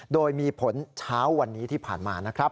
โดยมีผลเช้าวันนี้ที่ผ่านมานะครับ